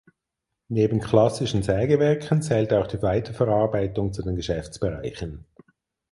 Neben klassischen Sägewerken zählt auch die Weiterverarbeitung zu den Geschäftsbereichen.